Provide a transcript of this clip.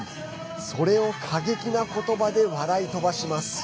それを過激な言葉で笑い飛ばします。